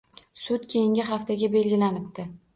Sud keyingi haftaga belgilanibdi